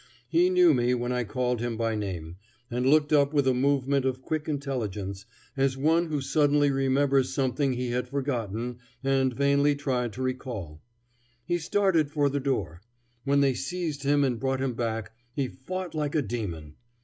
He knew me when I called him by name, and looked up with a movement of quick intelligence, as one who suddenly remembers something he had forgotten and vainly tried to recall. He started for the door. When they seized him and brought him back, he fought like a demon.